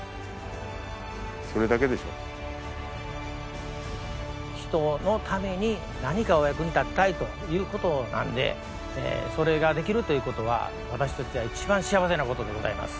それだけでしょう人のために何かお役に立てたいということなんでそれができるということは私としてはいちばん幸せなことでございます